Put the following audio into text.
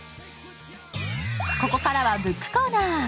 ここからはブックコーナー。